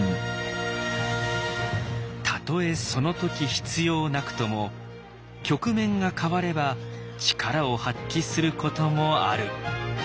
たとえその時必要なくとも局面が変われば力を発揮することもある。